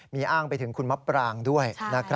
มีอ้างไปถึงคุณมะปรางด้วย